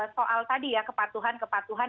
soal tadi ya kepatuhan kepatuhan